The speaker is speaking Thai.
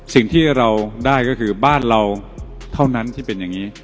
สิ่งที่เราได้ก็คือบ้านเราเท่านั้นที่เป็นอย่างนี้